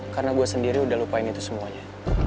karena gue sendiri udah lupain itu semuanya